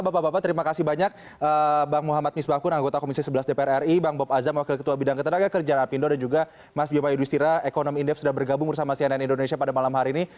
bapak bapak terima kasih banyak bang muhammad misbahkun anggota komisi sebelas dpr ri bang bob azam wakil ketua bidang ketenaga kerjaan apindo dan juga mas bima yudhistira ekonomi indef sudah bergabung bersama cnn indonesia pada malam hari ini